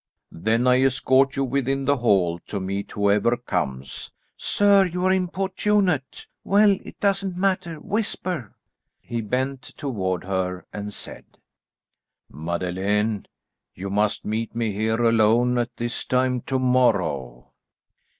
"Then I escort you within the hall to meet whoever comes." "Sir, you are importunate. Well, it doesn't matter; whisper." He bent toward her and said: "Madeleine, you must meet me here alone at this time to morrow."